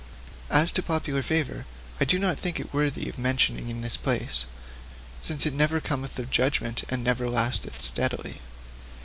As to popular favour, I do not think it even worthy of mention in this place, since it never cometh of judgment, and never lasteth steadily.